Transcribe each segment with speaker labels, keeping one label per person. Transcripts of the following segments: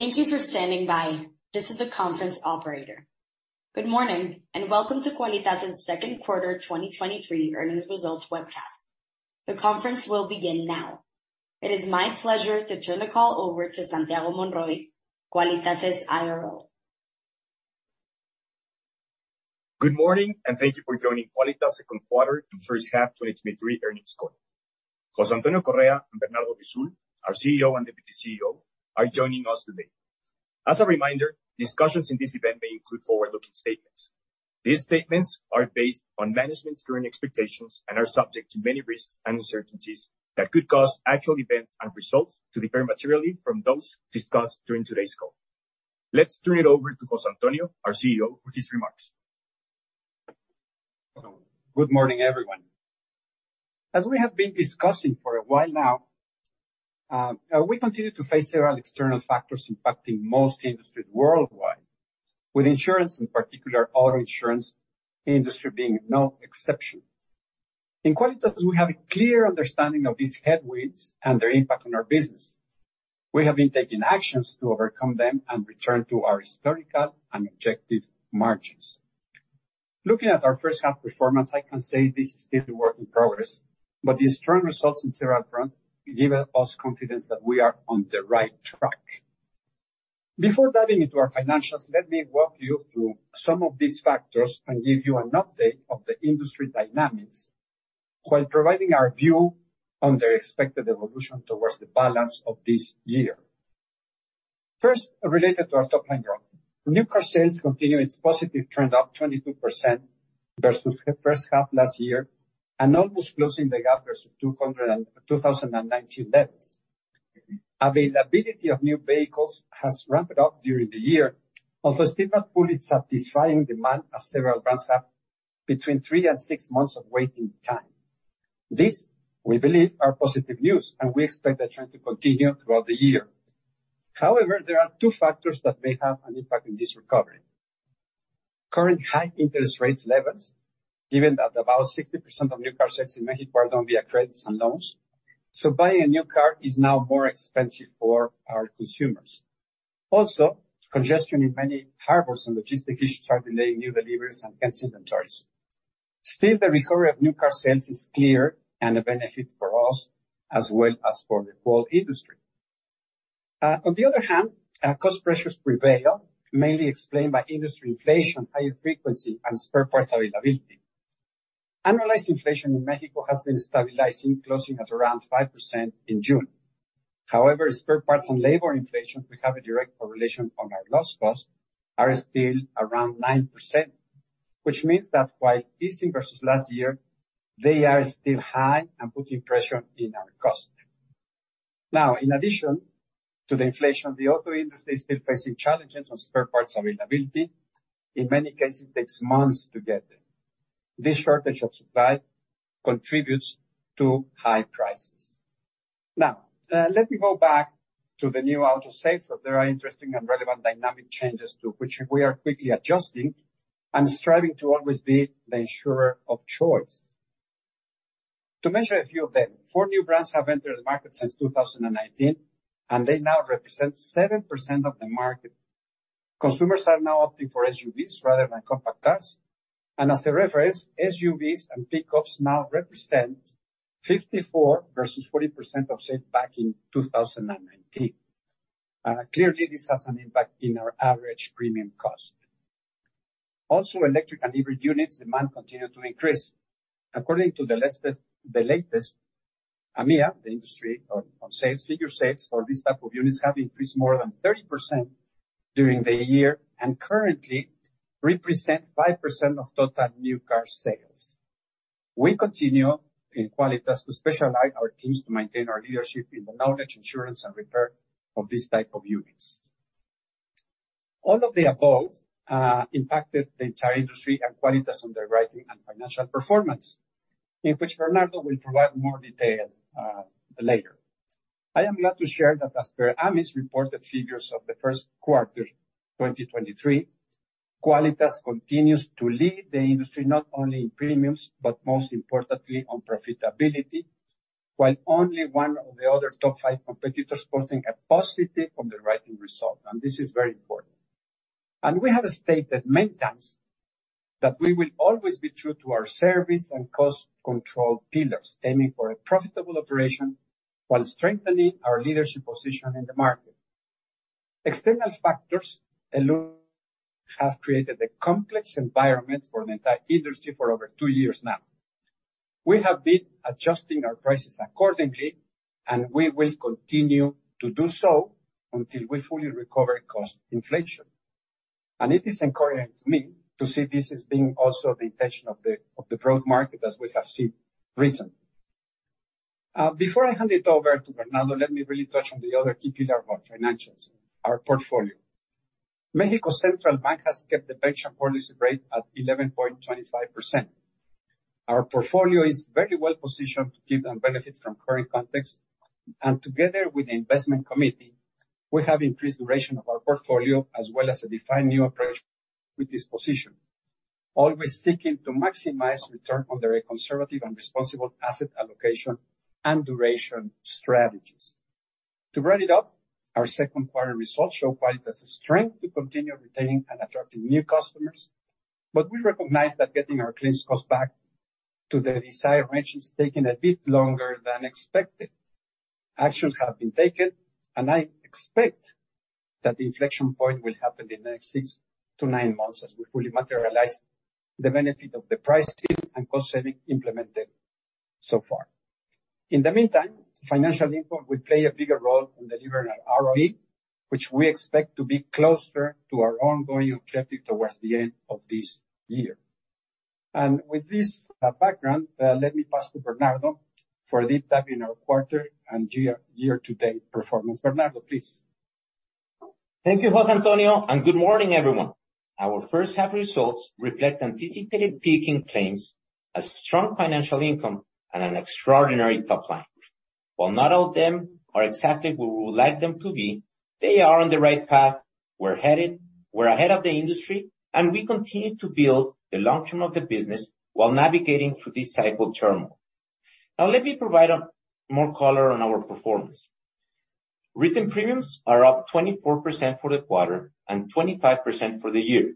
Speaker 1: Thank you for standing by. This is the conference operator. Good morning. Welcome to Quálitas's second quarter 2023 earnings results webcast. The conference will begin now. It is my pleasure to turn the call over to Santiago Monroy, Quálitas's IRO.
Speaker 2: Good morning, and thank you for joining Quálitas 2nd quarter and 1st half 2023 earnings call. Jose Antonio Correa and Bernardo Risoul, our CEO and Deputy CEO, are joining us today. As a reminder, discussions in this event may include forward-looking statements. These statements are based ono management's current expectations and are subject to many risks and uncertainties that could cause actual events and results to differ materially from those discussed during today's call. Let's turn it over to Jose Antonio, our CEO, for his remarks.
Speaker 3: Good morning, everyone. As we have been discussing for a while now, we continue to face several external factors impacting most industries worldwide, with insurance, in particular, auto insurance industry being no exception. In Quálitas, we have a clear understanding of these headwinds and their impact on our business. We have been taking actions to overcome them and return to our historical and objective margins. Looking at our first half performance, I can say this is still a work in progress, but the strong results in several front give us confidence that we are on the right track. Before diving into our financials, let me walk you through some of these factors and give you an update of the industry dynamics, while providing our view on their expected evolution towards the balance of this year. First, related to our top-line growth. New car sales continue its positive trend, up 22% versus the first half last year, and almost closing the gap versus 2019 levels. Availability of new vehicles has ramped up during the year, although still not fully satisfying demand, as several brands have between three and six months of waiting time. This, we believe, are positive news. We expect the trend to continue throughout the year. There are two factors that may have an impact in this recovery. Current high interest rates levels, given that about 60% of new car sales in Mexico are done via credits and loans, buying a new car is now more expensive for our consumers. Congestion in many harbors and logistics issues are delaying new deliveries and hence inventories. Still, the recovery of new car sales is clear and a benefit for us as well as for the whole industry. On the other hand, cost pressures prevail, mainly explained by industry inflation, higher frequency, and spare parts availability. Annualized inflation in Mexico has been stabilizing, closing at around 5% in June. Spare parts and labor inflation, which have a direct correlation on our loss cost, are still around 9%, which means that while easing versus last year, they are still high and putting pressure in our cost. In addition to the inflation, the auto industry is still facing challenges on spare parts availability. In many cases, it takes months to get them. This shortage of supply contributes to high prices. Now, let me go back to the new auto sales, that there are interesting and relevant dynamic changes to which we are quickly adjusting and striving to always be the insurer of choice. To mention a few of them, four new brands have entered the market since 2019, and they now represent 7% of the market. Consumers are now opting for SUVs rather than compact cars, and as a reference, SUVs and pickups now represent 54% versus 40% of sales back in 2019. Clearly, this has an impact in our average premium cost. Also, electric and hybrid units demand continue to increase. According to the latest AMIA, the industry on sales figures, sales for these type of units have increased more than 30% during the year and currently represent 5% of total new car sales. We continue in Quálitas to specialize our teams to maintain our leadership in the knowledge, insurance, and repair of this type of units. All of the above impacted the entire industry and Quálitas' underwriting and financial performance, in which Bernardo will provide more detail later. I am glad to share that as per AMIS reported figures of the 1st quarter 2023, Quálitas continues to lead the industry not only in premiums, but most importantly on profitability, while only one of the other top five competitors posting a positive underwriting result. This is very important. We have stated many times that we will always be true to our service and cost control pillars, aiming for a profitable operation while strengthening our leadership position in the market. External factors alone have created a complex environment for the entire industry for over two years now. We have been adjusting our prices accordingly. We will continue to do so until we fully recover cost inflation. It is encouraging to me to see this as being also the intention of the broad market, as we have seen recently. Before I hand it over to Bernardo, let me really touch on the other key pillar of our financials, our portfolio. Banco de México has kept the benchmark policy rate at 11.25%. Our portfolio is very well positioned to give them benefits from current context, and together with the investment committee, we have increased the duration of our portfolio as well as a defined new approach with this position.... always seeking to maximize return on their conservative and responsible asset allocation and duration strategies. To round it up, our second quarter results show quite as a strength to continue retaining and attracting new customers, but we recognize that getting our claims cost back to the desired range is taking a bit longer than expected. Actions have been taken, and I expect that the inflection point will happen in the next six to nine months as we fully materialize the benefit of the price and cost-saving implemented so far. In the meantime, financial income will play a bigger role in delivering our ROE, which we expect to be closer to our ongoing objective towards the end of this year. With this background, let me pass to Bernardo for a deep dive in our quarter and year-to-date performance. Bernardo, please.
Speaker 4: Thank you, Jose Antonio. Good morning, everyone. Our first half results reflect anticipated peaking claims, a strong financial income, and an extraordinary top line. Not all of them are exactly where we would like them to be, they are on the right path. We're ahead of the industry, we continue to build the long term of the business while navigating through this cycle turmoil. Let me provide a more color on our performance. Written premiums are up 24% for the quarter and 25% for the year.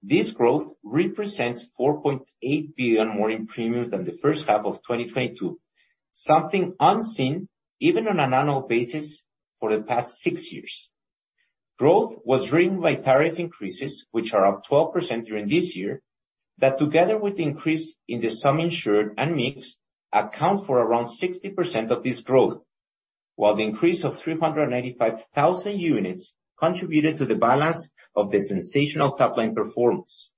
Speaker 4: This growth represents 4.8 billion more in premiums than the first half of 2022, something unseen even on an annual basis for the past six years. Growth was driven by tariff increases, which are up 12% during this year, that together with the increase in the sum insured and mixed, account for around 60% of this growth. The increase of 395,000 units contributed to the balance of the sensational top-line performance.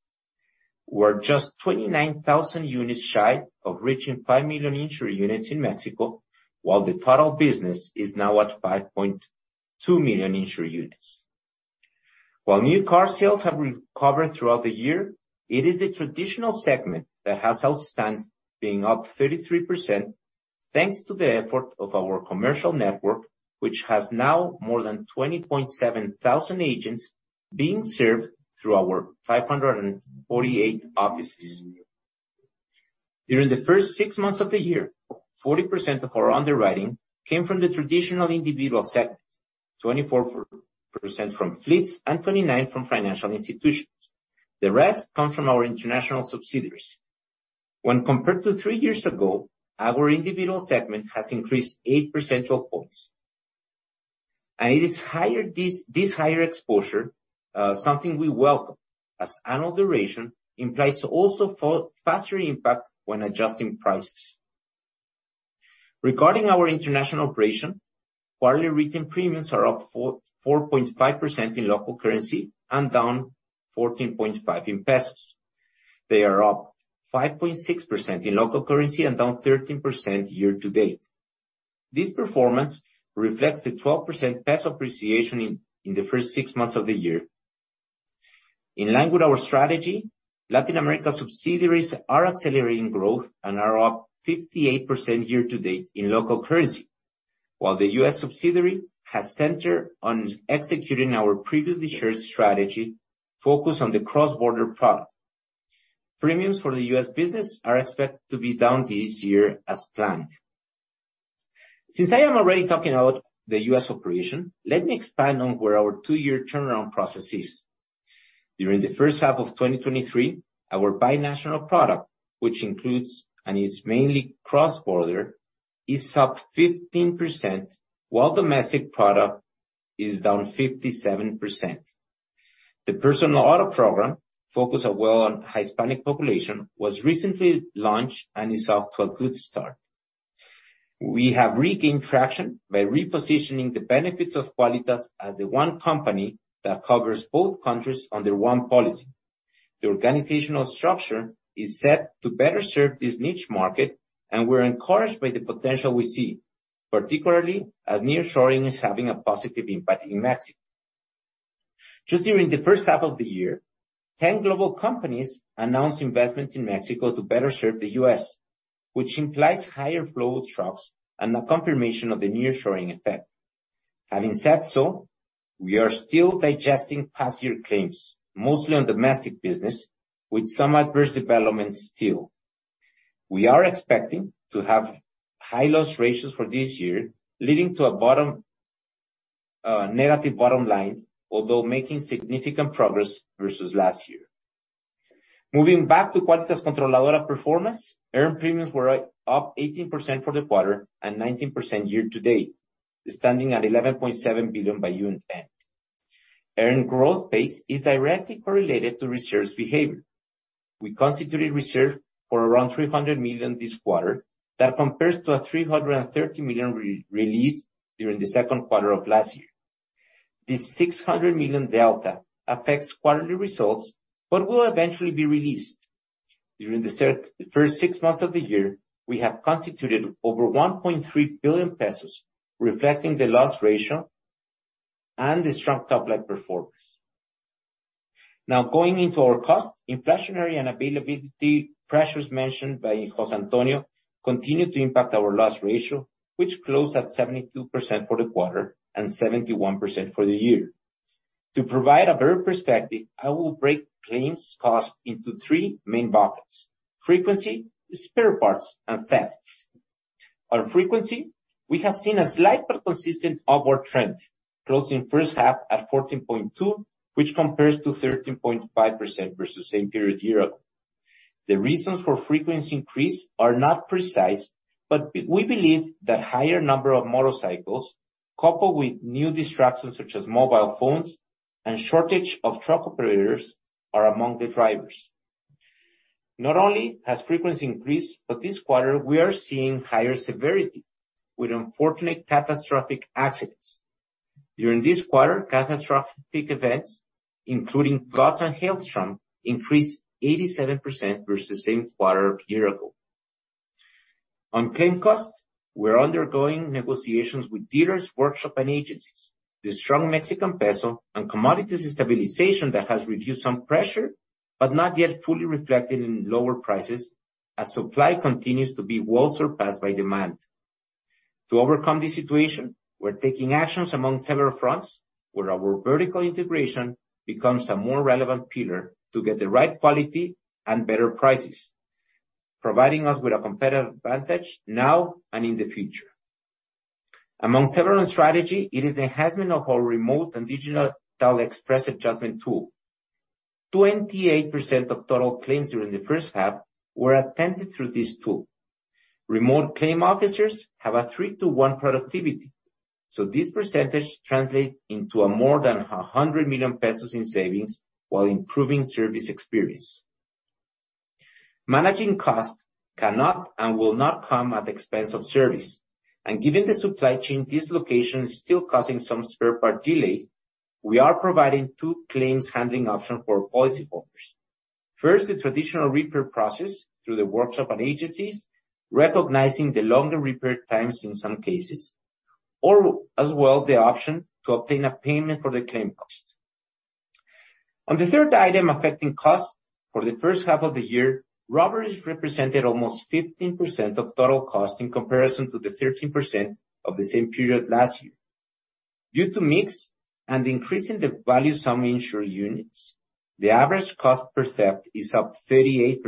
Speaker 4: We're just 29,000 units shy of reaching 5 million insured units in Mexico, while the total business is now at 5.2 million insured units. New car sales have recovered throughout the year, it is the traditional segment that has outstand, being up 33%, thanks to the effort of our commercial network, which has now more than 20.7 thousand agents being served through our 548 offices. During the first six months of the year, 40% of our underwriting came from the traditional individual segment, 24% from fleets, and 29 from financial institutions. The rest come from our international subsidiaries. When compared to three years ago, our individual segment has increased eight percentile points. It is higher this higher exposure, something we welcome, as annual duration implies also faster impact when adjusting prices. Regarding our international operation, quarterly written premiums are up 4.5% in local currency and down 14.5% in MXN pesos. They are up 5.6% in local currency and down 13% year to date. This performance reflects the 12% MXN peso appreciation in the first six months of the year. In line with our strategy, Latin America subsidiaries are accelerating growth and are up 58% year to date in local currency, while the U.S. subsidiary has centered on executing our previously shared strategy, focused on the cross-border product. Premiums for the U.S. business are expected to be down this year as planned. Since I am already talking about the U.S. operation, let me expand on where our two-year turnaround process is. During the first half of 2023, our binational product, which includes and is mainly cross-border, is up 15%, while domestic product is down 57%. The personal auto program, focused as well on Hispanic population, was recently launched and is off to a good start. We have regained traction by repositioning the benefits of Quálitas as the one company that covers both countries under one policy. The organizational structure is set to better serve this niche market. We're encouraged by the potential we see, particularly as nearshoring is having a positive impact in Mexico. Just during the first half of the year, 10 global companies announced investments in Mexico to better serve the U.S., which implies higher flow of trucks and a confirmation of the nearshoring effect. Having said so, we are still digesting past year claims, mostly on domestic business, with some adverse developments still. We are expecting to have high loss ratios for this year, leading to a bottom, negative bottom line, although making significant progress versus last year. Moving back to Quálitas Controladora performance, earned premiums were up 18% for the quarter and 19% year-to-date, standing at 11.7 billion by June end. Earned growth pace is directly correlated to reserves behavior. We constituted reserve for around 300 million this quarter. That compares to a 330 million re-release during the second quarter of last year. This 600 million delta affects quarterly results but will eventually be released. During the first six months of the year, we have constituted over 1.3 billion pesos, reflecting the loss ratio and the strong top-line performance. Going into our cost, inflationary and availability pressures mentioned by Jose Antonio continued to impact our loss ratio, which closed at 72% for the quarter and 71% for the year. To provide a better perspective, I will break claims cost into three main buckets: frequency, spare parts, and thefts. On frequency, we have seen a slight but consistent upward trend, closing first half at 14.2%, which compares to 13.5% versus same period year ago. The reasons for frequency increase are not precise. We believe that higher number of motorcycles, coupled with new distractions, such as mobile phones and shortage of truck operators, are among the drivers. Not only has frequency increased. This quarter we are seeing higher severity, with unfortunate catastrophic accidents. During this quarter, catastrophic events, including floods and hailstorm, increased 87% versus same quarter a year ago. On claim costs, we're undergoing negotiations with dealers, workshop, and agencies. The strong Mexican peso and commodity stabilization that has reduced some pressure, but not yet fully reflected in lower prices, as supply continues to be well surpassed by demand. To overcome this situation, we're taking actions among several fronts, where our vertical integration becomes a more relevant pillar to get the right quality and better prices, providing us with a competitive advantage now and in the future. Among several strategy, it is the enhancement of our remote and digital Tele-Express adjustment tool. 28% of total claims during the first half were attended through this tool. Remote claim officers have a three to one productivity, so this percentage translates into a more than 100 million pesos in savings while improving service experience. Managing costs cannot and will not come at the expense of service, and given the supply chain, this location is still causing some spare part delays. We are providing two claims handling options for policyholders. First, the traditional repair process through the workshop and agencies, recognizing the longer repair times in some cases, or as well, the option to obtain a payment for the claim cost. On the third item, affecting cost, for the first half of the year, robbery represented almost 15% of total cost, in comparison to the 13% of the same period last year. Due to mix and increase in the value some insured units, the average cost per theft is up 38%.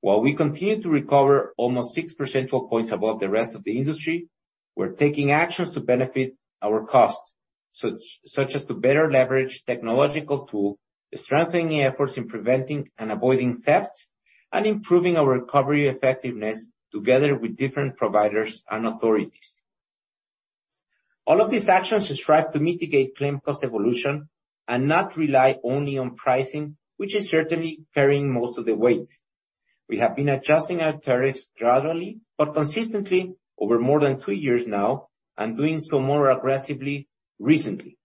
Speaker 4: While we continue to recover almost six percentile points above the rest of the industry, we're taking actions to benefit our cost, such as to better leverage technological tool, strengthening efforts in preventing and avoiding theft, and improving our recovery effectiveness together with different providers and authorities. All of these actions strive to mitigate claim cost evolution and not rely only on pricing, which is certainly carrying most of the weight. We have been adjusting our tariffs gradually, but consistently over more than two years now, and doing so more aggressively recently.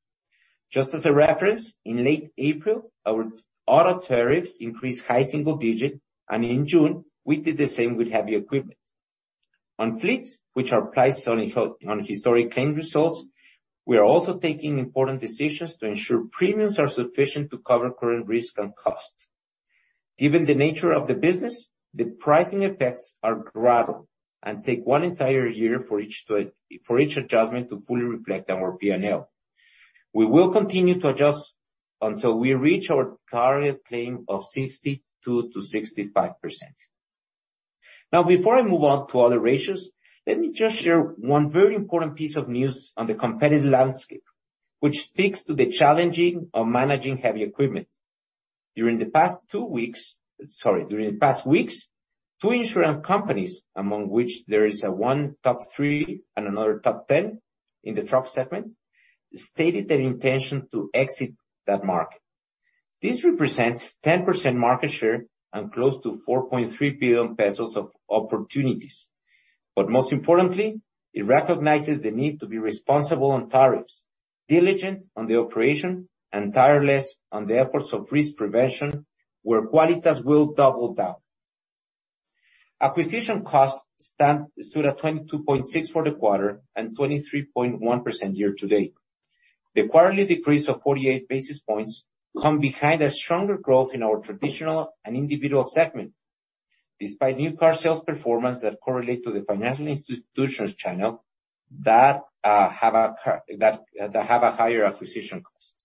Speaker 4: Just as a reference, in late April, our auto tariffs increased high single digit, and in June, we did the same with heavy equipment. On fleets, which are priced on historic claim results, we are also taking important decisions to ensure premiums are sufficient to cover current risk and cost. Given the nature of the business, the pricing effects are gradual and take one entire year for each adjustment to fully reflect on our PNL. We will continue to adjust until we reach our target claim of 62%-65%. Before I move on to other ratios, let me just share one very important piece of news on the competitive landscape, which speaks to the challenging of managing heavy equipment. During the past two weeks, sorry, during the past weeks, two insurance companies, among which there is a one top three and another top 10 in the truck segment, stated their intention to exit that market. This represents 10% market share and close to 4.3 billion pesos of opportunities, but most importantly, it recognizes the need to be responsible on tariffs, diligent on the operation, and tireless on the efforts of risk prevention, where Quálitas will double down. Acquisition costs stood at 22.6% for the quarter and 23.1% year to date. The quarterly decrease of 48 basis points come behind a stronger growth in our traditional and individual segment, despite new car sales performance that correlate to the financial institutions channel that have a higher acquisition cost.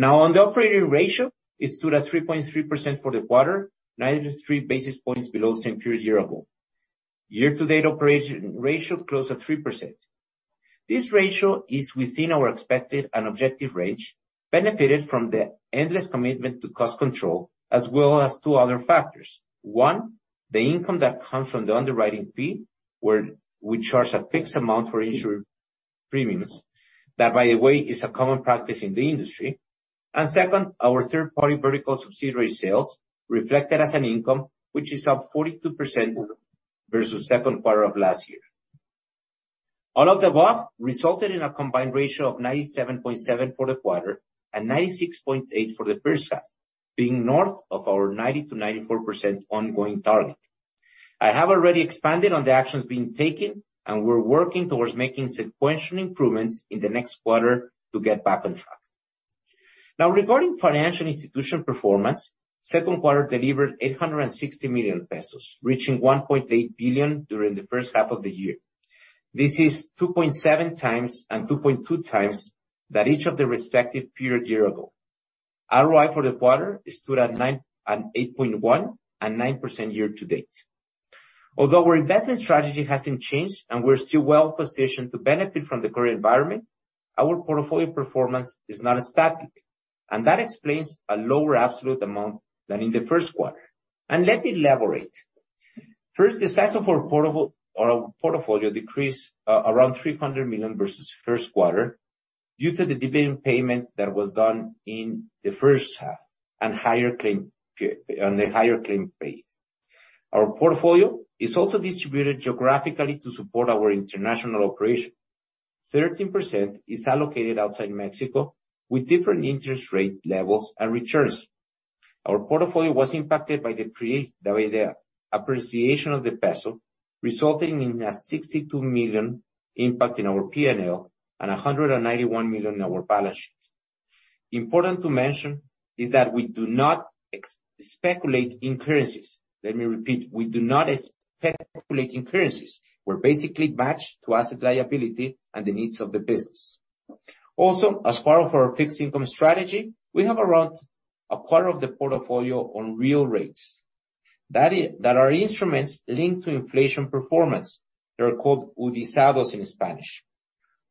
Speaker 4: On the operating ratio, it stood at 3.3% for the quarter, 93 basis points below the same period year ago. Year to date, operating ratio closed at 3%. This ratio is within our expected and objective range, benefited from the endless commitment to cost control, as well as two other factors. One, the income that comes from the underwriting fee, where we charge a fixed amount for insurance premiums. That, by the way, is a common practice in the industry. Second, our third-party vertical subsidiary sales reflected as an income, which is up 42% versus second quarter of last year. All of the above resulted in a combined ratio of 97.7 for the quarter and 96.8 for the first half, being north of our 90%-94% ongoing target. I have already expanded on the actions being taken, and we're working towards making sequential improvements in the next quarter to get back on track. Now, regarding financial institution performance, second quarter delivered 860 million pesos, reaching 1.8 billion during the first half of the year. This is 2.7x and 2.2x that each of the respective period year ago. ROI for the quarter stood at nine and 8.1 and 9% year to date. Although our investment strategy hasn't changed and we're still well positioned to benefit from the current environment, our portfolio performance is not as static, and that explains a lower absolute amount than in the first quarter. Let me elaborate. First, the size of our portable, or our portfolio decreased around 300 million versus 1st quarter due to the dividend payment that was done in the 1st half and a higher claim paid. Our portfolio is also distributed geographically to support our international operation. 13% is allocated outside Mexico, with different interest rate levels and returns. Our portfolio was impacted by the appreciation of the peso, resulting in a 62 million impact in our PNL and a 191 million in our balance sheet. Important to mention is that we do not speculate in currencies. Let me repeat, we do not speculate in currencies. We're basically matched to asset liability and the needs of the business. Also, as part of our fixed income strategy, we have around a quarter of the portfolio on real rates, that is, that are instruments linked to inflation performance. They are called Udibonos in Spanish.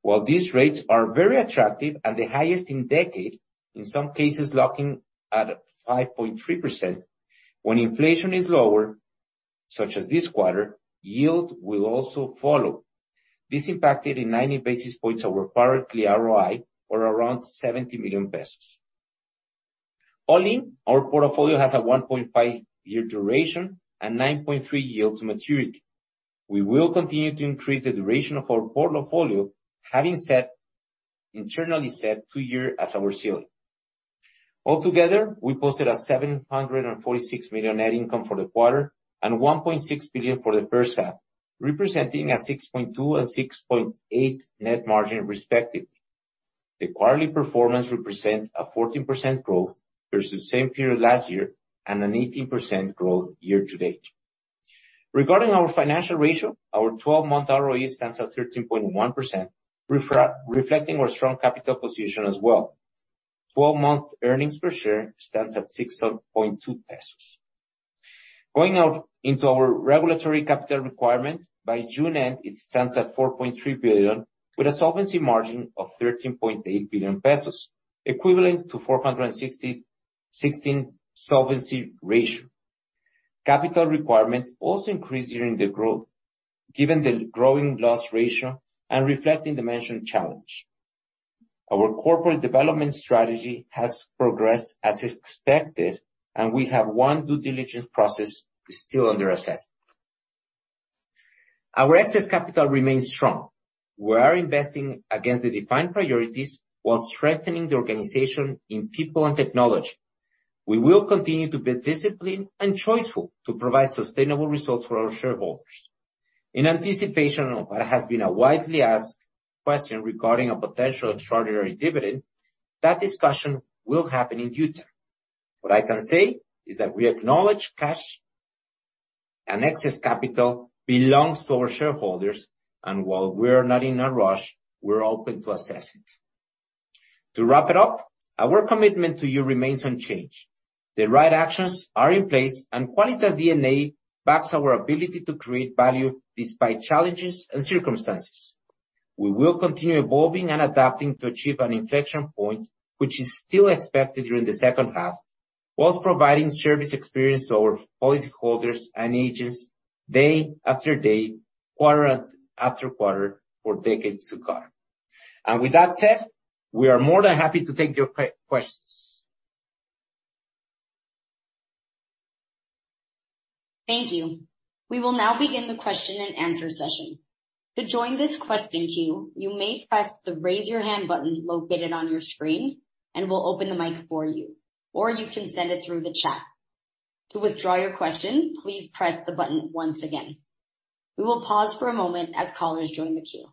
Speaker 4: While these rates are very attractive at the highest in decade, in some cases locking at 5.3%, when inflation is lower, such as this quarter, yield will also follow. This impacted in 90 basis points over quarterly ROI or around 70 million pesos. All in, our portfolio has a 1.5 year duration and 9.3 yield to maturity. We will continue to increase the duration of our portfolio, having set, internally set two year as our ceiling. Altogether, we posted a 746 million net income for the quarter and 1.6 billion for the first half, representing a 6.2% and 6.8% net margin, respectively. The quarterly performance represent a 14% growth versus the same period last year and an 18% growth year to date. Regarding our financial ratio, our 12-month ROE stands at 13.1%, reflecting our strong capital position as well. 12-month earnings per share stands at 6.2 pesos. Going out into our regulatory capital requirement, by June end, it stands at 4.3 billion, with a solvency margin of 13.8 billion pesos, equivalent to four hundred and sixty-sixteen solvency ratio. Capital requirement also increased during the growth, given the growing loss ratio and reflecting the mentioned challenge. Our corporate development strategy has progressed as expected, and we have one due diligence process still under assessment. Our excess capital remains strong. We are investing against the defined priorities while strengthening the organization in people and technology. We will continue to be disciplined and choiceful to provide sustainable results for our shareholders. In anticipation of what has been a widely asked question regarding a potential extraordinary dividend, that discussion will happen in due time. What I can say is that we acknowledge cash and excess capital belongs to our shareholders, and while we're not in a rush, we're open to assess it. To wrap it up, our commitment to you remains unchanged. The right actions are in place, and Quálitas' DNA backs our ability to create value despite challenges and circumstances. We will continue evolving and adapting to achieve an inflection point, which is still expected during the second half, whilst providing service experience to our policyholders and agents day after day, quarter after quarter, for decades to come. With that said, we are more than happy to take your questions.
Speaker 1: Thank you. We will now begin the question and answer session. To join this question queue, you may press the Raise Your Hand button located on your screen, and we'll open the mic for you, or you can send it through the chat. To withdraw your question, please press the button once again. We will pause for a moment as callers join the queue.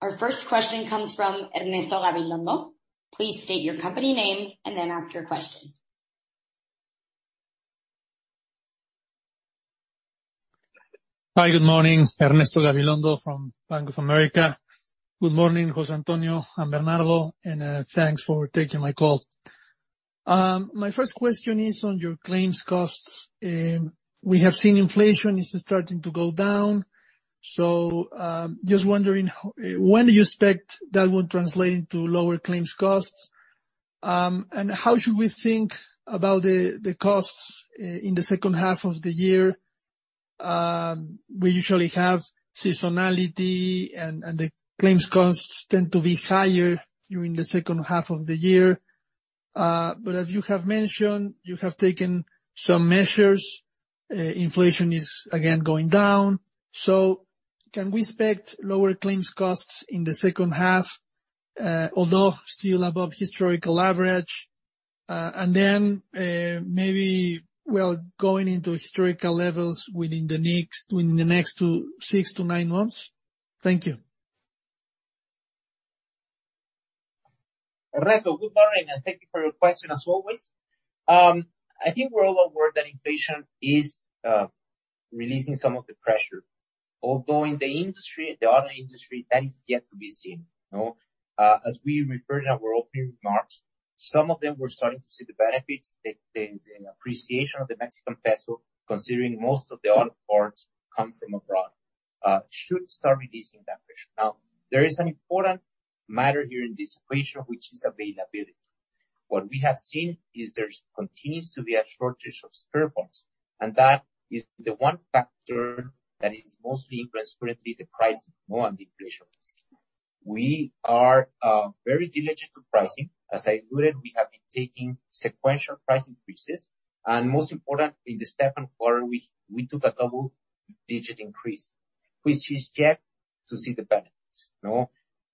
Speaker 1: Our first question comes from Ernesto Gabilondo. Please state your company name and then ask your question.
Speaker 5: Hi, good morning. Ernesto Gabilondo from Bank of America. Good morning, Jose Antonio and Bernardo, thanks for taking my call. My first question is on your claims costs. We have seen inflation is starting to go down, just wondering when do you expect that will translate into lower claims costs? How should we think about the costs in the second half of the year? We usually have seasonality, and the claims costs tend to be higher during the second half of the year. As you have mentioned, you have taken some measures. Inflation is again going down. Can we expect lower claims costs in the second half, although still above historical average? Maybe we are going into historical levels within the next two, six to nine months? Thank you.
Speaker 4: Ernesto, good morning, thank you for your question as always. I think we're all aware that inflation is releasing some of the pressure. In the industry, the auto industry, that is yet to be seen, no? As we referred in our opening remarks, some of them were starting to see the benefits, the appreciation of the Mexican peso, considering most of the auto parts come from abroad, should start releasing that pressure. There is an important matter here in this equation, which is availability. What we have seen is there's continues to be a shortage of spare parts, that is the one factor that is mostly influencing currently the price more than inflation. We are very diligent to pricing. As I included, we have been taking sequential price increases, and most important, in the second quarter, we took a double-digit increase, which is yet to see the benefits,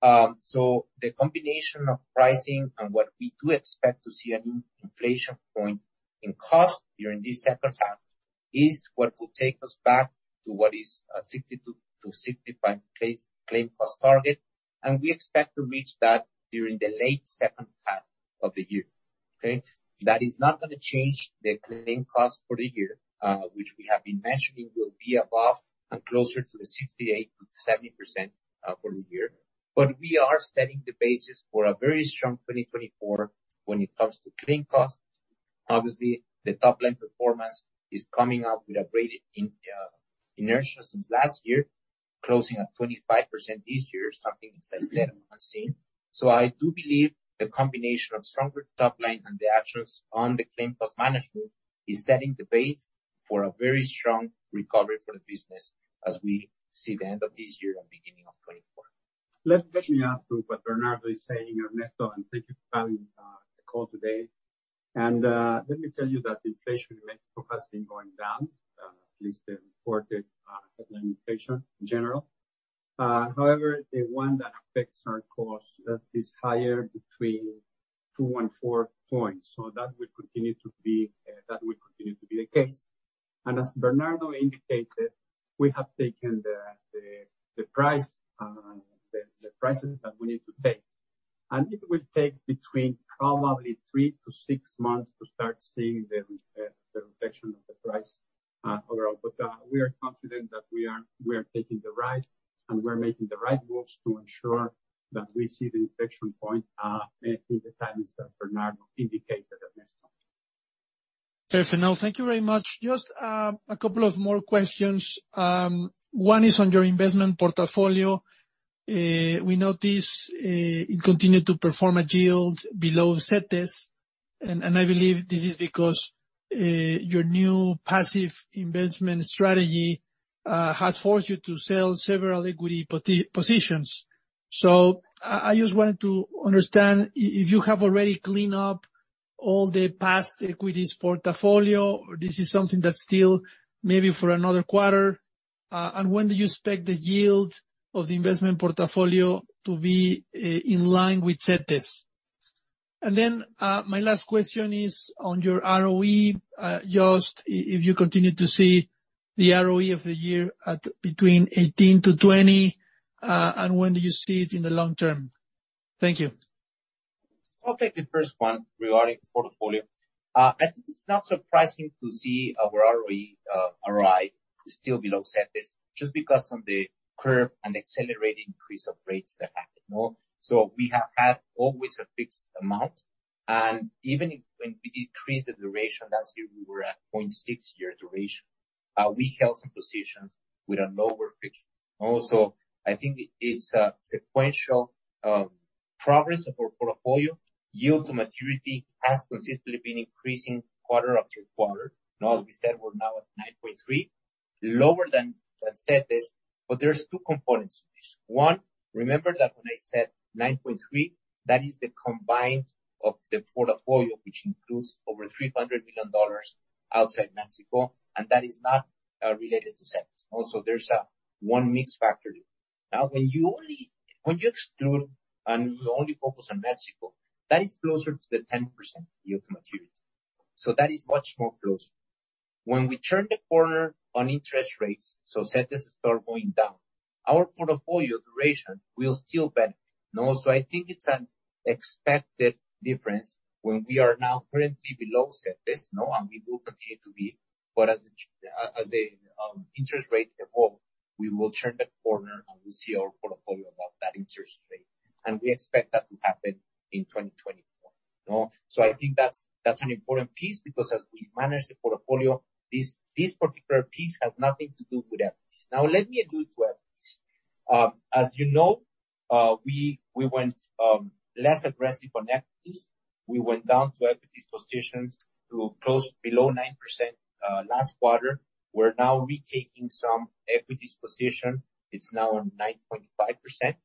Speaker 4: no? The combination of pricing and what we do expect to see an inflation point in cost during this second half, is what will take us back to what is 62%-65% claim cost target. We expect to reach that during the late second half of the year. Okay? That is not gonna change the claim cost for the year, which we have been measuring will be above and closer to the 68%-70% for the year. We are setting the basis for a very strong 2024 when it comes to claim cost. Obviously, the top-line performance is coming up with a greater in inertia since last year, closing at 25% this year, something exceptional and unseen. I do believe the combination of stronger top line and the actions on the claim cost management is setting the base for a very strong recovery for the business as we see the end of this year and beginning of 2024.
Speaker 3: Let me add to what Bernardo is saying, Ernesto. Thank you for having the call today. Let me tell you that inflation in Mexico has been going down, at least the reported headline inflation in general. However, the one that affects our cost, that is higher between two and four points, so that will continue to be the case. As Bernardo indicated, we have taken the price, the prices that we need to take. It will take between probably three to six months to start seeing the reflection of the price, overall. We are confident that we are taking the right, and we're making the right moves to ensure that we see the inflation point, in the times that Bernardo indicated at this time.
Speaker 5: Okay, for now, thank you very much. Just a couple of more questions. One is on your investment portfolio. We noticed it continued to perform a yield below Cetes, and I believe this is because your new passive investment strategy has forced you to sell several equity positions. I just wanted to understand if you have already clean up all the past equities portfolio, or this is something that's still maybe for another quarter? When do you expect the yield of the investment portfolio to be in line with Cetes? Then my last question is on your ROE. Just if you continue to see the ROE of the year at between 18%-20%, and when do you see it in the long term? Thank you.
Speaker 4: I'll take the first one regarding the portfolio. I think it's not surprising to see our ROE, ROI still below Cetes, just because of the curve and accelerated increase of rates that happened, no? We have had always a fixed amount, and even if, when we decreased the duration last year, we were at 0.6-year duration, we held some positions with a lower fixed. I think it's a sequential progress of our portfolio. Yield to maturity has consistently been increasing quarter after quarter. As we said, we're now at 9.3, lower than that Cetes. There're 2 components to this. One, remember that when I said 9.3, that is the combined of the portfolio, which includes over $300 million outside Mexico, and that is not related to Cetes. There's 1 mix factor. When you exclude and you only focus on Mexico, that is closer to the 10% yield to maturity, that is much more closer. We turn the corner on interest rates, Cetes start going down, our portfolio duration will still benefit, no? I think it's an expected difference when we are now currently below Cetes, no? We will continue to be. As the interest rate evolve, we will turn the corner, we'll see our portfolio above that interest rate, we expect that to happen in 2024, no? I think that's an important piece because as we manage the portfolio, this particular piece has nothing to do with equities. Let me go to equities. As you know, we went less aggressive on equities. We went down to equities positions to close below 9%, last quarter. We're now retaking some equities position. It's now on 9.5%.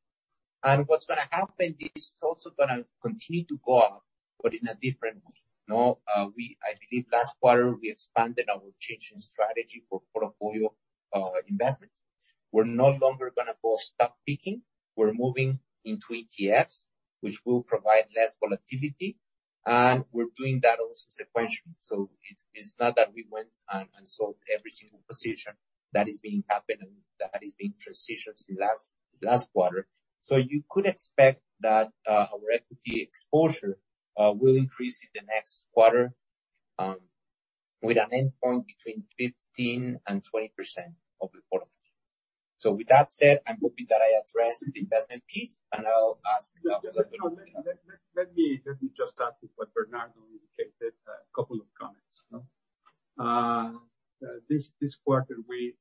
Speaker 4: What's gonna happen is it's also gonna continue to go up, but in a different way, no? I believe last quarter, we expanded our changing strategy for portfolio investments. We're no longer gonna go stock picking. We're moving into ETFs, which will provide less volatility.... We're doing that also sequentially. It is not that we went and sold every single position that is being happened, and that is being transitioned in last quarter. You could expect that our equity exposure will increase in the next quarter, with an endpoint between 15% and 20% of the portfolio. With that said, I'm hoping that I addressed the investment piece.
Speaker 3: Let me just add to what Bernardo indicated. A couple of comments. This quarter, we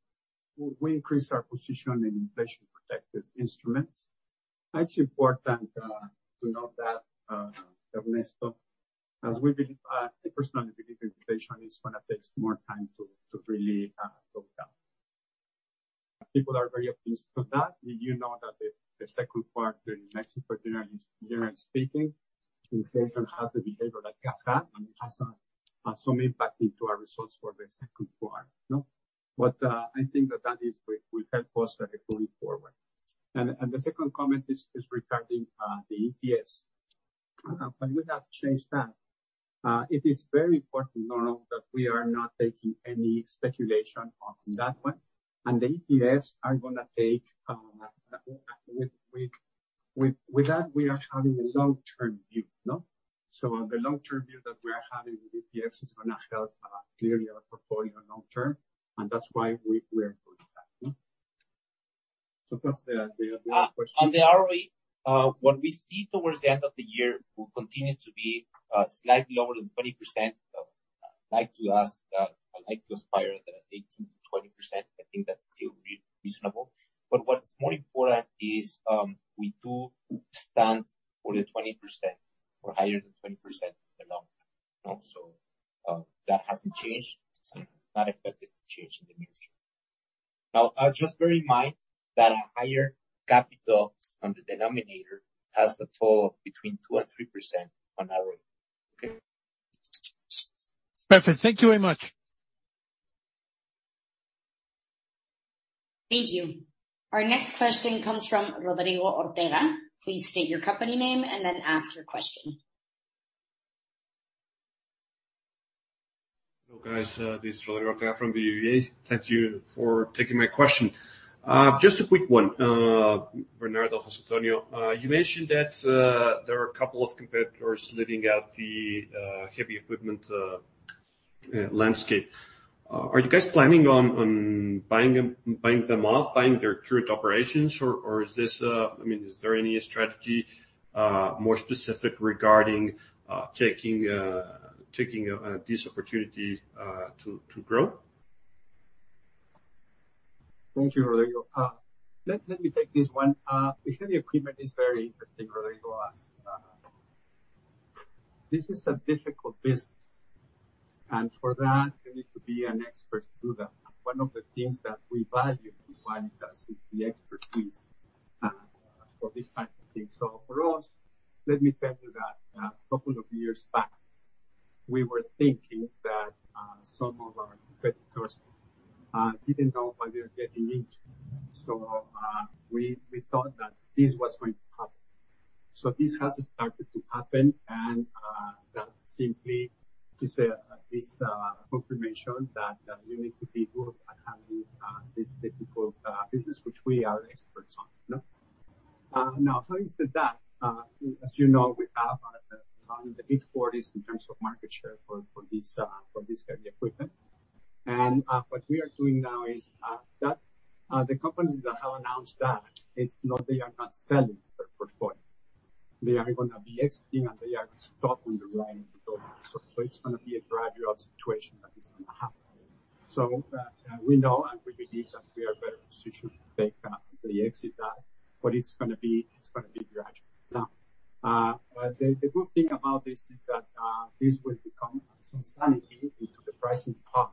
Speaker 3: increased our position in inflation-protected instruments. It's important to note that, Ernesto, as we believe, personally, believe inflation is gonna take more time to really go down. People are very opposed to that. We do know that the second quarter in Mexico, generally speaking, inflation has the behavior like it has had, and it has some impact into our results for the second quarter, no? I think that will help us going forward. The second comment is regarding the ETS. We have changed that. It is very important to know that we are not taking any speculation on that one, and the ETS are gonna take. With that, we are having a long-term view, no? The long-term view that we are having with ETS is gonna help clearly our portfolio long term, and that's why we are doing that, no? That's the question.
Speaker 4: On the ROE, what we see towards the end of the year will continue to be slightly lower than 20%. I'd like to ask, I'd like to aspire that 18%-20%, I think that's still reasonable. What's more important is, we do stand for the 20% or higher than 20% in the long run, no? That hasn't changed, and not expected to change in the near future. Now, just bear in mind that a higher capital on the denominator has the pull between 2%-3% on our ROE. Okay?
Speaker 5: Perfect. Thank you very much.
Speaker 1: Thank you. Our next question comes from Rodrigo Ortega. Please state your company name and then ask your question.
Speaker 6: Hello, guys, this is Rodrigo Ortega from BBVA. Thank you for taking my question. Just a quick one. Bernardo, Jose Antonio, you mentioned that there are a couple of competitors leaving out the heavy equipment landscape. Are you guys planning on buying them off, buying their current operations, or is this... I mean, is there any strategy more specific regarding taking this opportunity to grow?
Speaker 3: Thank you, Rodrigo. Let me take this one. The heavy equipment is very interesting, Rodrigo, this is a difficult business, and for that, you need to be an expert to do that. One of the things that we value in Quálitas is the expertise for this type of thing. For us, let me tell you that a couple of years back, we were thinking that some of our competitors didn't know what they were getting into. We thought that this was going to happen. This has started to happen, and that simply is at least confirmation that you need to be good at having this difficult business, which we are experts on, no? Now, having said that, as you know, we have one of the big quarters in terms of market share for this heavy equipment. What we are doing now is that the companies that have announced that it's not they are not selling their portfolio. They are gonna be exiting, and they are stop on the line. It's gonna be a gradual situation that is gonna happen. We know and we believe that we are better positioned to take the exit dive, but it's gonna be, it's gonna be gradual. Now, the good thing about this is that this will become some sanity into the pricing part.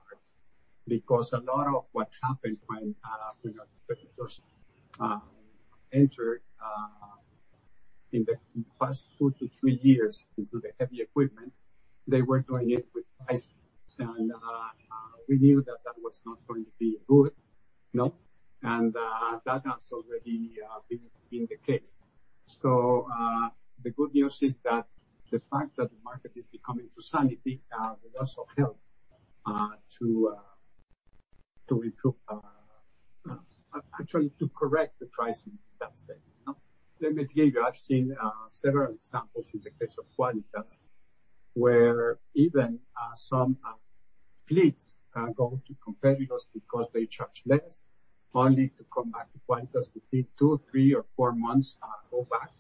Speaker 3: A lot of what happens when our competitors enter in the past two-three years into the heavy equipment, they were doing it with pricing. We knew that that was not going to be good, no. That has already been the case. The good news is that the fact that the market is becoming to sanity will also help to improve, actually to correct the pricing, that's it, no. Let me tell you, I've seen several examples in the case of Quálitas, where even some fleets go to competitors because they charge less, only to come back to Quálitas between two, three, or four months, go back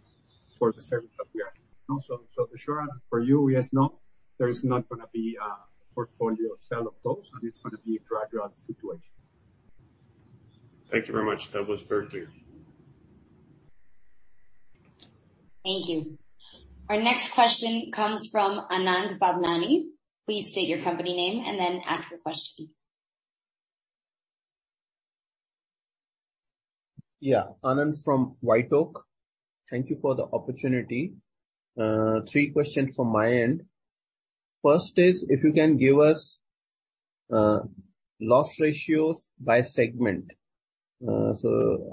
Speaker 3: for the service that we are, no. The short answer for you is, no, there is not gonna be a portfolio sale of those, and it's gonna be a gradual situation.
Speaker 6: Thank you very much. That was very clear.
Speaker 1: Thank you. Our next question comes from Anand Bhavnani. Please state your company name and then ask your question.
Speaker 7: Yeah, Anand from White Oak. Thank you for the opportunity. 3 questions from my end. First is, if you can give us, loss ratios by segment. The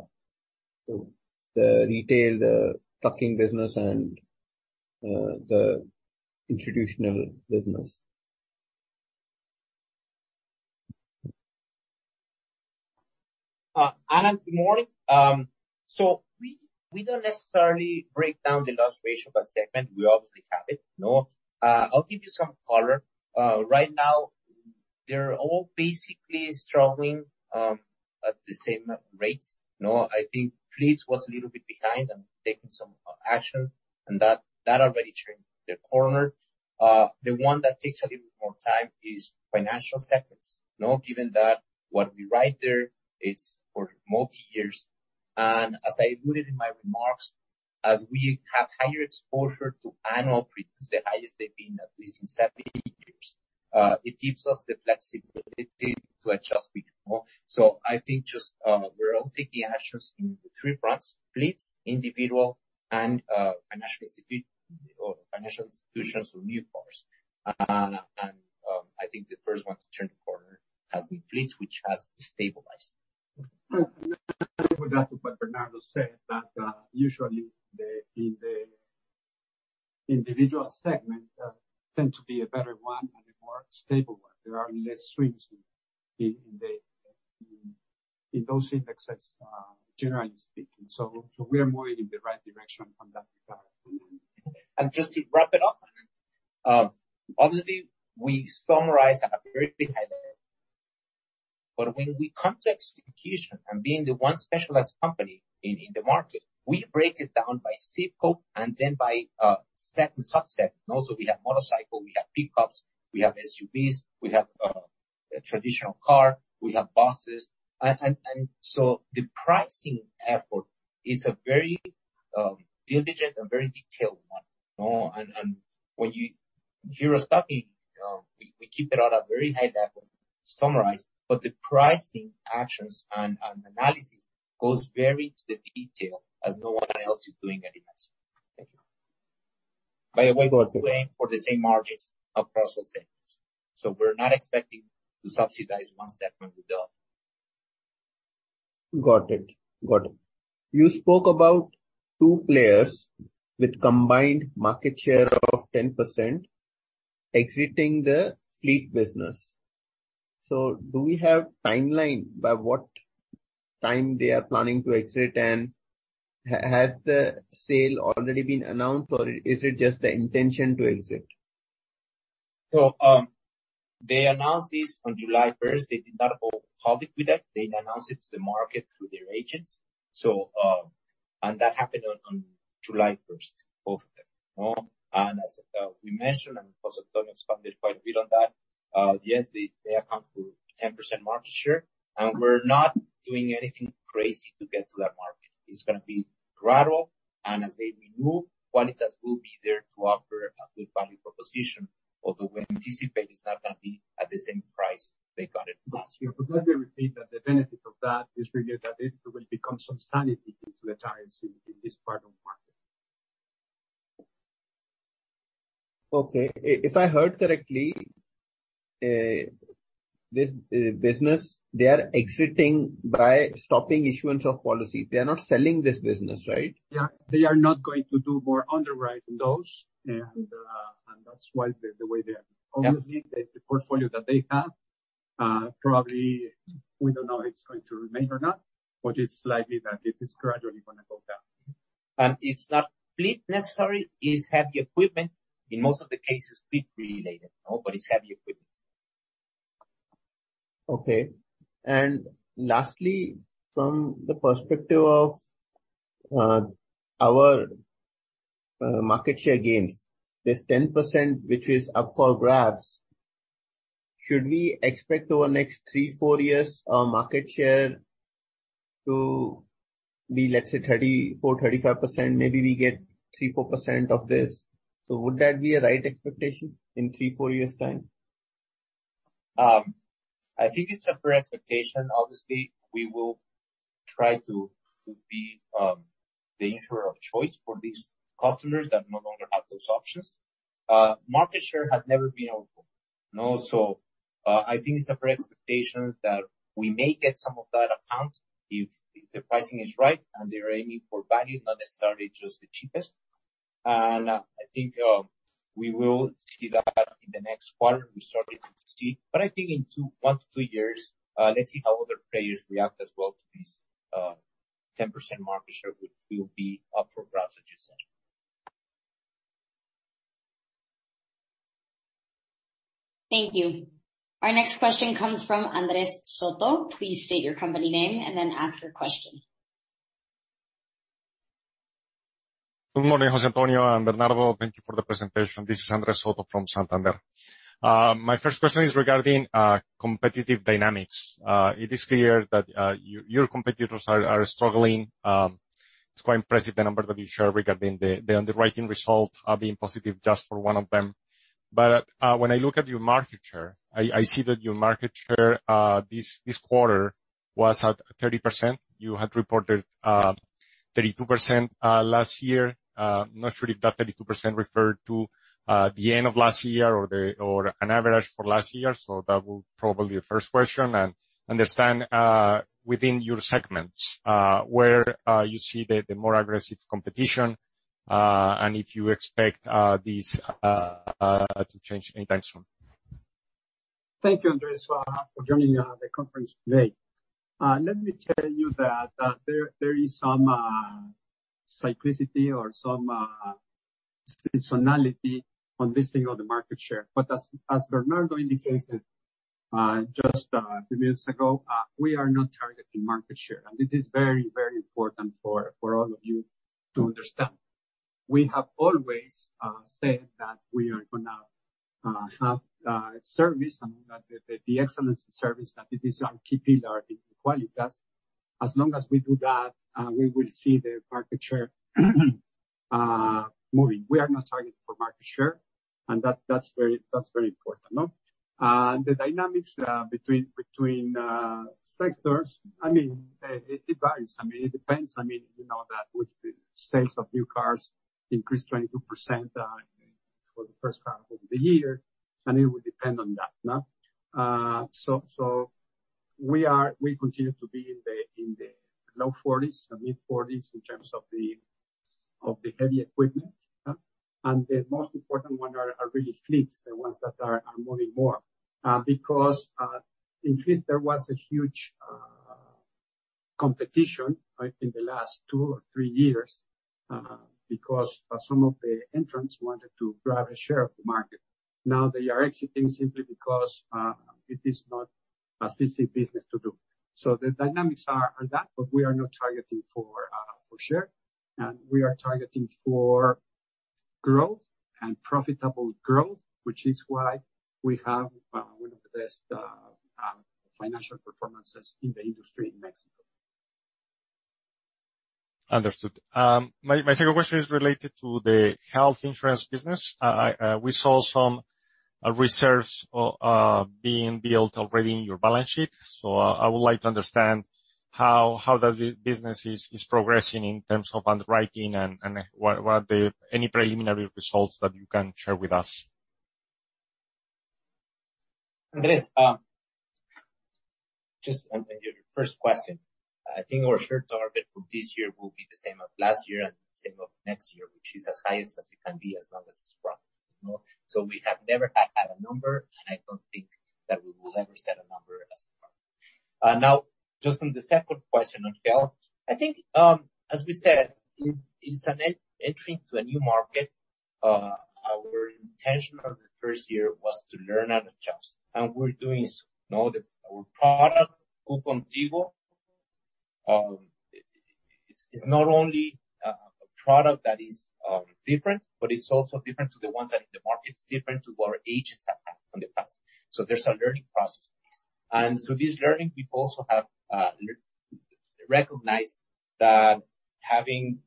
Speaker 7: retail, the trucking business, and, the institutional business.
Speaker 4: Anand, good morning. We don't necessarily break down the loss ratio by segment. We obviously have it, no? I'll give you some color. Right now, they're all basically struggling at the same rates, you know. I think fleets was a little bit behind and taking some action, and that already turned the corner. The one that takes a little bit more time is financial segments, you know? Given that what we write there, it's for multi-years. As I included in my remarks, as we have higher exposure to annual premiums, the highest they've been at least in 70 years, it gives us the flexibility to adjust before. I think just, we're all taking actions in the three parts, fleets, individual, and financial institutions for new cars. I think the first one to turn the corner has been fleets, which has stabilized.
Speaker 3: Let me add to what Bernardo said, that usually the individual segment tend to be a better one and a more stable one. There are less swings in the indexes, generally speaking. We are moving in the right direction from that regard.
Speaker 4: Just to wrap it up, obviously, we summarize at a very high level. When we come to execution and being the one specialized company in the market, we break it down by CPO and then by segment, subset. Also we have motorcycle, we have pickups, we have SUVs, we have a traditional car, we have buses. The pricing effort is a very diligent and very detailed one, you know. When you hear us talking, we keep it at a very high level, summarized, but the pricing actions and analysis goes very to the detail as no one else is doing at the maximum. Thank you. By the way, we're aiming for the same margins across all segments, so we're not expecting to subsidize one segment with the other.
Speaker 7: Got it. Got it. You spoke about two players with combined market share of 10% exiting the fleet business. Do we have timeline by what time they are planning to exit, and has the sale already been announced, or is it just the intention to exit?
Speaker 4: They announced this on July 1st. They did not go public with that. They announced it to the market through their agents. That happened on July 1st, both of them, no. As we mentioned, and also Antonio expanded quite a bit on that, yes, they account for 10% market share, and we're not doing anything crazy to get to that market. It's gonna be gradual, and as they renew, Quálitas will be there to offer a good value proposition, although we anticipate it's not gonna be at the same price they got it last year.
Speaker 3: Let me repeat that the benefit of that is really that it will become some sanity into the giants in this part of the market.
Speaker 7: Okay. If I heard correctly, this business, they are exiting by stopping issuance of policy. They are not selling this business, right?
Speaker 3: Yeah. They are not going to do more underwriting those, and that's why the way they are.
Speaker 7: Yeah.
Speaker 3: Obviously, the portfolio that they have, probably we don't know it's going to remain or not, but it's likely that it is gradually gonna go down.
Speaker 4: It's not fleet necessary, it's heavy equipment. In most of the cases, fleet-related, no, but it's heavy equipment.
Speaker 7: Okay. Lastly, from the perspective of our market share gains, this 10%, which is up for grabs, should we expect over the next three, four years, our market share to be, let's say, 34%, 35%? Maybe we get 3%, 4% of this. Would that be a right expectation in three, four years' time?
Speaker 4: I think it's a fair expectation. Obviously, we will try to be the insurer of choice for these customers that no longer have those options. Market share has never been our goal. No. I think it's a fair expectation that we may get some of that account if the pricing is right, and they're aiming for value, not necessarily just the cheapest. I think, we will see that in the next quarter. We're starting to see. I think in one-two years, let's see how other players react as well to this 10% market share, which will be up for grabs, as you said.
Speaker 1: Thank you. Our next question comes from Andres Soto. Please state your company name and then ask your question.
Speaker 8: Good morning, Jose Antonio and Bernardo. Thank you for the presentation. This is Andres Soto from Santander. My first question is regarding competitive dynamics. It is clear that your competitors are struggling. It's quite impressive, the number that you share regarding the underwriting results being positive just for one of them. When I look at your market share, I see that your market share this quarter was at 30%. You had reported 32% last year. I'm not sure if that 32% referred to the end of last year or an average for last year. That will probably the first question. Understand, within your segments, where you see the more aggressive competition, and if you expect these to change any time soon?
Speaker 3: Thank you, Andres, for joining the conference today. Let me tell you that there is some cyclicity or some seasonality on this thing of the market share. As Bernardo indicated, just a few minutes ago, we are not targeting market share, and it is very, very important for all of you to understand. We have always said that we are gonna have service and that the excellence in service, that it is our key pillar in Quálitas. As long as we do that, we will see the market share moving. We are not targeting for market share, and that's very important, no? The dynamics between sectors, I mean, it varies. I mean, it depends. I mean, you know that with the sales of new cars increased 22% for the first half of the year, it will depend on that, no? We continue to be in the low 40s and mid-40s in terms of the heavy equipment, and the most important one are really fleets, the ones that are moving more. Because in fleets, there was a huge competition, right, in the last two or three years, because some of the entrants wanted to grab a share of the market. Now, they are exiting simply because it is not a easy business to do. The dynamics are that, but we are not targeting for share. We are targeting for growth and profitable growth, which is why we have one of the best financial performances in the industry in Mexico.
Speaker 8: Understood. My second question is related to the health insurance business. I we saw some reserves being built already in your balance sheet. I would like to understand how the business is progressing in terms of underwriting and what are any preliminary results that you can share with us?
Speaker 4: Andres, just on your first question, I think our share target for this year will be the same as last year and same of next year, which is as high as it can be, as long as it's profit, you know? We have never had a number, and I don't think that we will ever set a number as far. Now, just on the second question on health, I think, as we said, it's an entry into a new market. Our intention on the first year was to learn and adjust, and we're doing so. Now, our product, QContigo, it's not only a product that is different, but it's also different to the ones that in the market, it's different to what our agents have had in the past. There's a learning process. Through this learning, we've also have recognized that having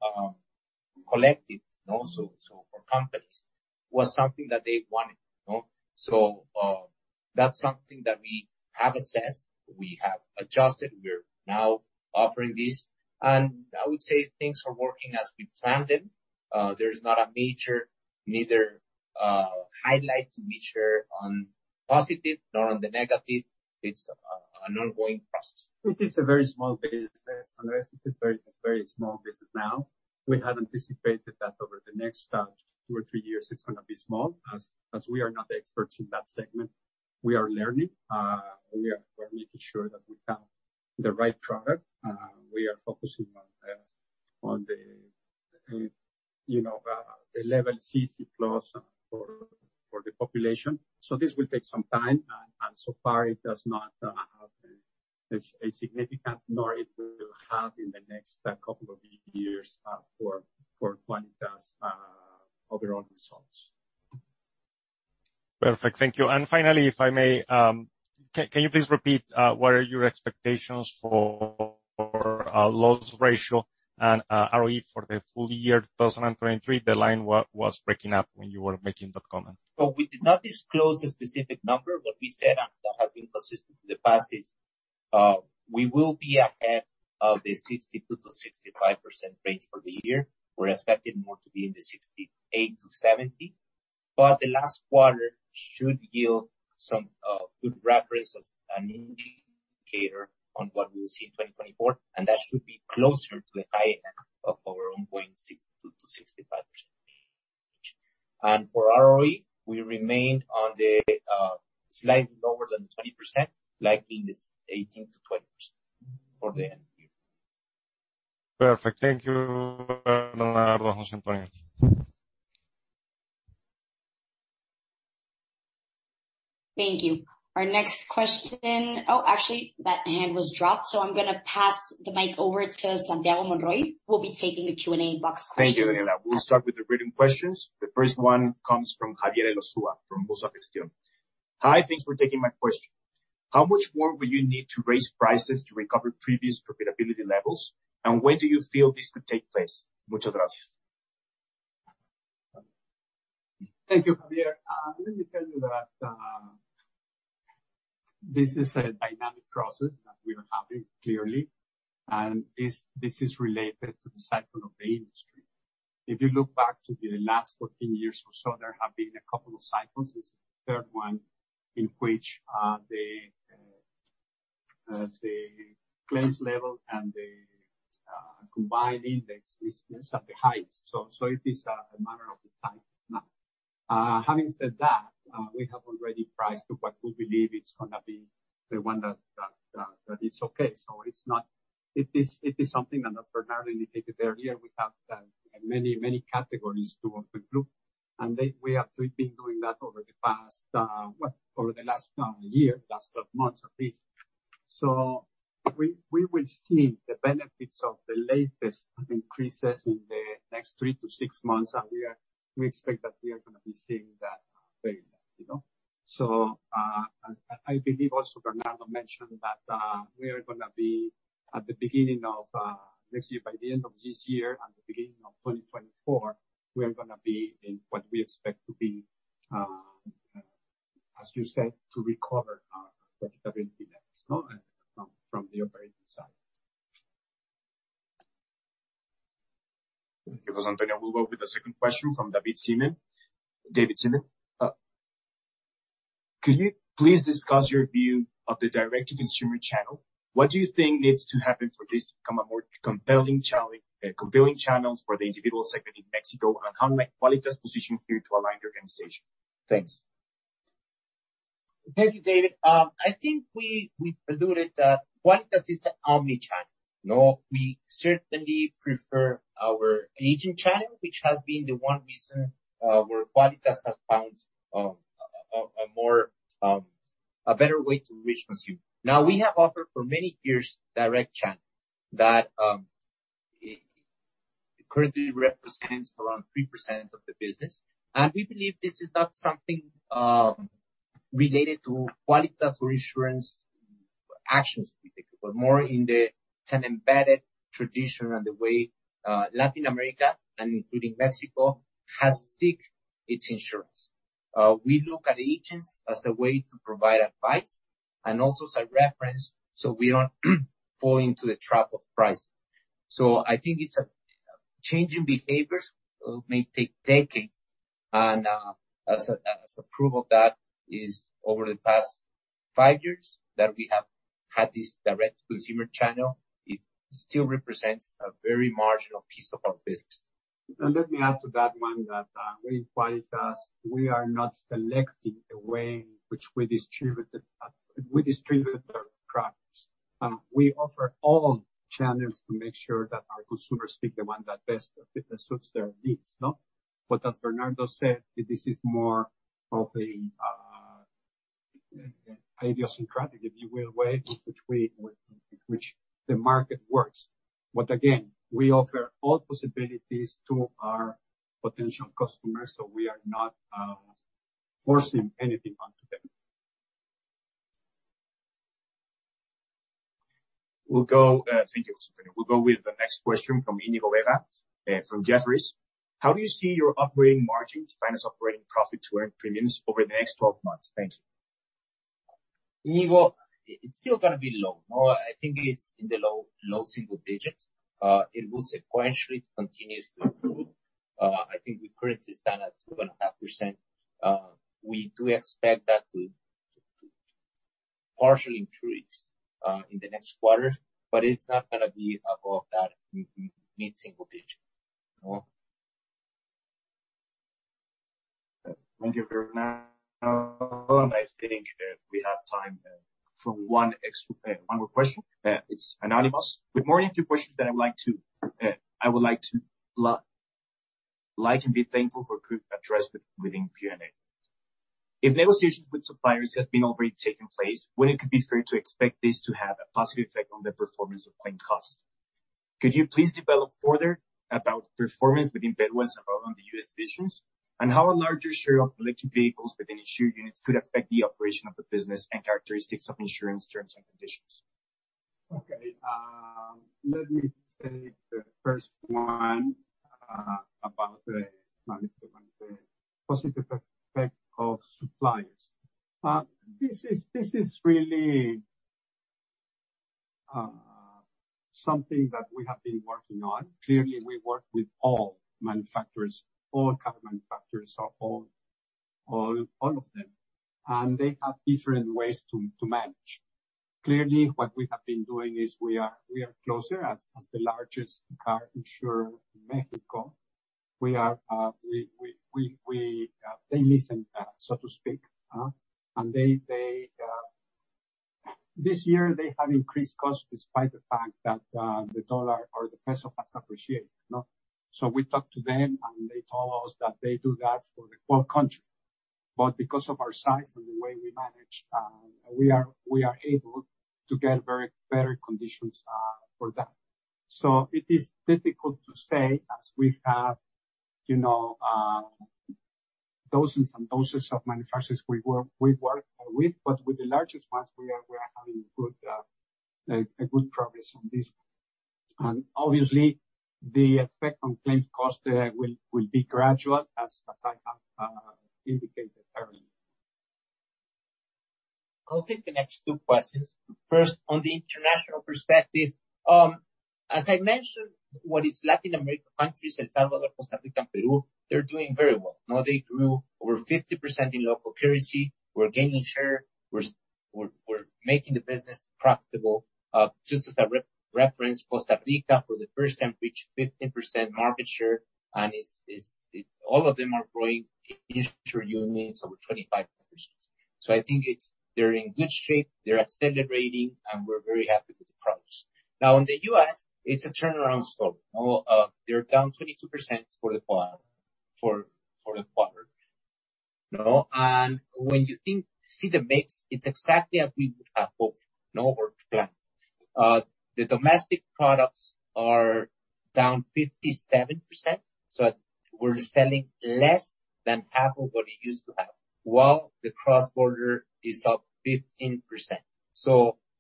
Speaker 4: collective also, so for companies, was something that they wanted, you know? That's something that we have assessed, we have adjusted. We're now offering this, and I would say things are working as we planned them. There's not a major, neither highlight to be shared on positive nor on the negative. It's an ongoing process.
Speaker 3: It is a very small business, Andres. It is a very small business now. We had anticipated that over the next two or three years, it's gonna be small, as we are not the experts in that segment. We are learning. We're making sure that we have the right product. We are focusing on the, you know, the level CC plus for the population. This will take some time, and so far, it does not have a significant, nor it will have in the next couple of years, for Quálitas' overall results.
Speaker 8: Perfect. Thank you. Finally, if I may, can you please repeat what are your expectations for loss ratio and ROE for the full year 2023? The line was breaking up when you were making that comment.
Speaker 4: We did not disclose a specific number, but we said, and that has been consistent in the past, is, we will be ahead of the 62%-65% range for the year. We're expecting more to be in the 68%-70%, but the last quarter should yield some good reference as an indicator on what we will see in 2024, and that should be closer to the high end of our own point, 62%-65% range. For ROE, we remain on the slightly lower than the 20%, like in the 18%-20% for the end of year.
Speaker 8: Perfect. Thank you, Bernardo and Jose Antonio.
Speaker 1: Thank you. Our next question... Oh, actually, that hand was dropped, so I'm gonna pass the mic over to Santiago Monroy, who will be taking the Q&A box questions.
Speaker 2: Thank you, Daniela. We'll start with the written questions. The first one comes from Javier Eguiluz, from Bolsa Gestión. Hi, thanks for taking my question. How much more will you need to raise prices to recover previous profitability levels, and when do you feel this could take place? Muchas gracias.
Speaker 3: Thank you, Javier. Let me tell you that this is a dynamic process that we are having, clearly, and this is related to the cycle of the industry. If you look back to the last 14 years or so, there have been a couple of cycles. This is the third one in which the claims level and the combined index is at the highest. It is a matter of the cycle now. Having said that, we have already priced what we believe it's gonna be the one that is okay. It is something, and as Bernardo indicated earlier, we have many, many categories to look. We have to been doing that over the past, what, over the last year, last 12 months at least. We will see the benefits of the latest increases in the next three to six months, and we expect that we are gonna be seeing that very well, you know? I believe also Bernardo mentioned that we are gonna be at the beginning of next year, by the end of this year and the beginning of 2024, we are gonna be in what we expect to be, as you said, to recover our profitability next, no? From the operating side.
Speaker 2: Thank you, Jose Antonio. We'll go with the second question from David Simon. David Simon, could you please discuss your view of the direct-to-consumer channel? What do you think needs to happen for this to become a more compelling channels for the individual segment in Mexico? How might Quálitas position you to align the organization? Thanks.
Speaker 4: Thank you, David. I think we alluded that Quálitas is an omni-channel, no. We certainly prefer our agent channel, which has been the one reason where Quálitas has found a better way to reach consumers. We have offered for many years direct channel that it currently represents around 3% of the business. We believe this is not something related to Quálitas reassurance actions, but more in the an embedded tradition and the way Latin America, and including Mexico, has seek its insurance. We look at agents as a way to provide advice and also as a reference, we don't fall into the trap of pricing. I think it's a changing behaviors, may take decades, and, as a proof of that is over the past five years that we have had this direct consumer channel, it still represents a very marginal piece of our business.
Speaker 3: Let me add to that one, that, we in Quálitas, we are not selecting the way in which we distribute our products. We offer all channels to make sure that our consumers pick the one that best suits their needs, no? As Bernardo said, this is more of a idiosyncratic, if you will, way in which the market works. Again, we offer all possibilities to our potential customers, so we are not forcing anything onto them.
Speaker 2: We'll go. Thank you, Jose Antonio. We'll go with the next question from Inigo Vera, from Jefferies. How do you see your operating margins, minus operating profit to earn premiums over the next 12 months? Thank you.
Speaker 4: Inigo, it's still gonna be low. No, I think it's in the low, low single digits. It will sequentially continues to improve. I think we currently stand at 2.5%. We do expect that to partially increase in the next quarter, but it's not gonna be above that mid single digit, no?
Speaker 2: Thank you very much. I think we have time for one extra, one more question. It's anonymous. With more than two questions that I would like to, I would like to like and be thankful for group addressed within Q&A. If negotiations with suppliers have been already taking place, when it could be fair to expect this to have a positive effect on the performance of claim cost? Could you please develop further about performance within Bedwell and the U.S. divisions, and how a larger share of electric vehicles within insured units could affect the operation of the business and characteristics of insurance terms and conditions?
Speaker 4: Okay, let me take the first one about the positive effect of suppliers. This is really something that we have been working on. Clearly, we work with all manufacturers, all car manufacturers, so all of them, and they have different ways to manage. Clearly, what we have been doing is we are closer, as the largest car insurer in Mexico, we, they listen, so to speak. They, this year, they have increased costs despite the fact that the dollar or the peso has appreciated, no? We talked to them, and they told us that they do that for the whole country. Because of our size and the way we manage, we are able to get very better conditions for that. It is difficult to say, as we have, you know, dozens and dozens of manufacturers we work with, but with the largest ones, we are having good progress on this one. Obviously, the effect on claim cost will be gradual as I have indicated earlier.
Speaker 3: I'll take the next two questions. First, on the international perspective, as I mentioned, what is Latin America countries, El Salvador, Costa Rica, and Peru, they're doing very well. They grew over 50% in local currency. We're gaining share. We're making the business profitable. Just as a reference, Costa Rica for the first time reached 15% market share, and all of them are growing in insurer units over 25%. I think it's, they're in good shape, they're extended rating, and we're very happy with the progress. In the U.S., it's a turnaround story. They're down 22% for the quarter. You know, when you see the mix, it's exactly as we would have hoped, no work plans. The domestic products are down 57%, so we're selling less than half of what it used to have, while the cross-border is up 15%.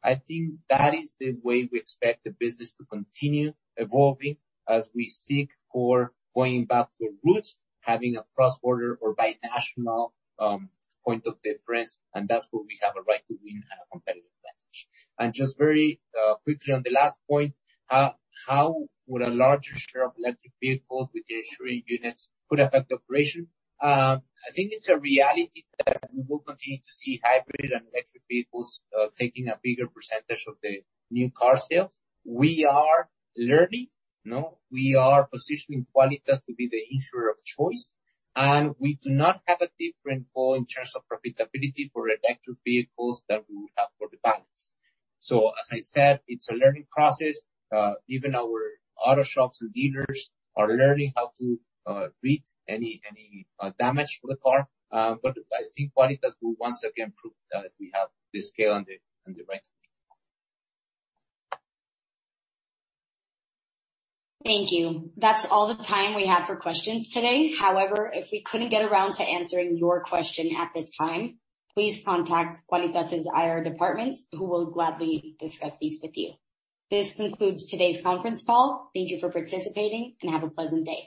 Speaker 3: I think that is the way we expect the business to continue evolving as we seek for going back to the roots, having a cross-border or binational point of difference, and that's where we have a right to win and a competitive advantage. Just very quickly on the last point, how would a larger share of electric vehicles with the ensuring units could affect operation? I think it's a reality that we will continue to see hybrid and electric vehicles, taking a bigger percentage of the new car sales. We are learning, you know, we are positioning Quálitas to be the insurer of choice. We do not have a different goal in terms of profitability for electric vehicles than we would have for the balance. As I said, it's a learning process. Even our auto shops and dealers are learning how to read any damage for the car. I think Quálitas will once again prove that we have the scale and the right people.
Speaker 1: Thank you. That's all the time we have for questions today. However, if we couldn't get around to answering your question at this time, please contact Quálitas' IR department, who will gladly discuss these with you. This concludes today's conference call. Thank you for participating, and have a pleasant day.